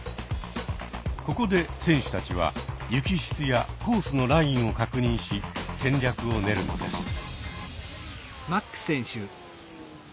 ここで選手たちは雪質やコースのラインを確認し戦略を練るのです。